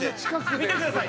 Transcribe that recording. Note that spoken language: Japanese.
見てください。